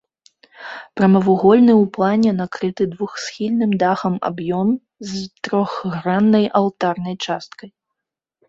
Прамавугольны ў плане накрыты двухсхільным дахам аб'ём з трохграннай алтарнай часткай.